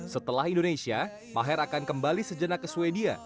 setelah indonesia maher akan kembali sejenak ke sweden